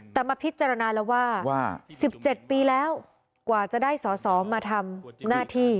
แต่มาพิจารณาแล้วว่า๑๗ปีแล้วกว่าจะได้สอสอมาทำหน้าที่